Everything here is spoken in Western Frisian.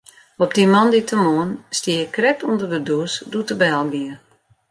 Op dy moandeitemoarn stie ik krekt ûnder de dûs doe't de bel gie.